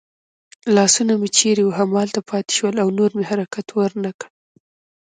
لاسونه مې چېرې وو همالته پاتې شول او نور مې حرکت ور نه کړ.